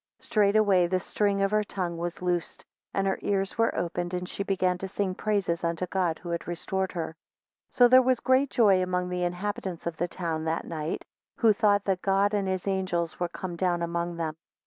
7 Straightway the string of her tongue was loosed, and her ears were opened, and she began to sing praises unto God, who had restored her. 8 So there was great joy among the inhabitants of the town that night, who thought that God and his angels were come down among them.